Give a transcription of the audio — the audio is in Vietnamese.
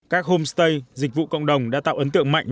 các homestay dịch vụ cộng đồng đã tạo ấn tượng mạnh